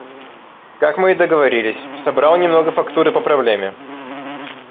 Как мы и договорились, собрал немного фактуры по проблеме.